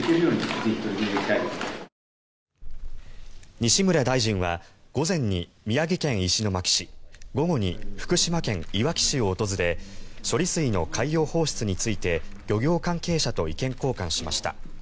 西村大臣は午前に宮城県石巻市午後に福島県いわき市を訪れ処理水の海洋放出について漁業関係者と意見交換しました。